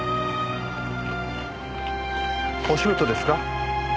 お仕事ですか？